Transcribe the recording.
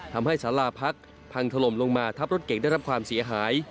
ทำให้สาราพักพังถล่มลงมาทับรถเก่งได้รับความเสียหาย